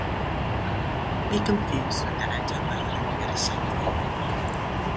It should not be confused with the antibiotic metacycline.